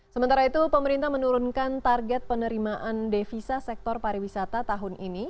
sementara itu pemerintah menurunkan target penerimaan devisa sektor pariwisata tahun ini